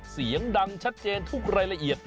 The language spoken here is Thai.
เสียงดังชัดเจนทุกรายละเอียด